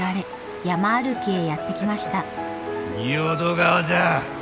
仁淀川じゃ。